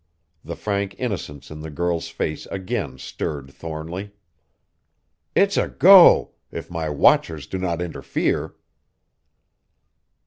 The frank innocence in the girl's face again stirred Thornly. "It's a go, if my watchers do not interfere."